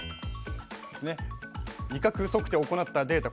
味覚測定を行ったデータ